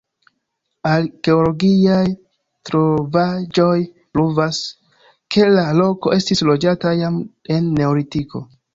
Arkeologiaj trovaĵoj pruvas, ke la loko estis loĝata jam en Neolitiko.